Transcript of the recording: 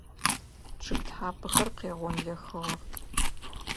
Чъыг тхьапэхэр къегъонлэхыгъэх.